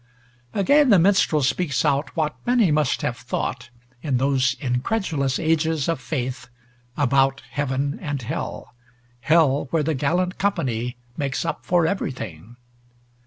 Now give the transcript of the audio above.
Again, the minstrel speaks out what many must have thought, in those incredulous ages of Faith, about Heaven and Hell, Hell where the gallant company makes up for everything.